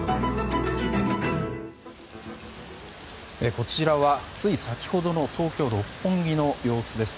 こちらは、つい先ほどの東京・六本木の様子です。